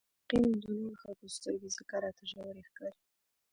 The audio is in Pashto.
يقيناً د نورو خلکو سترګې ځکه راته ژورې ښکاري.